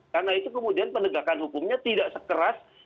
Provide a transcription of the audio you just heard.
karena itu kemudian penegakan hukumnya tidak sekeras